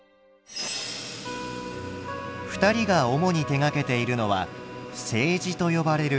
２人が主に手がけているのは青磁と呼ばれる陶器です。